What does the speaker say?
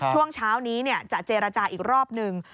ช่วงเช้านี้จะเจรจาอีกรอบหนึ่ง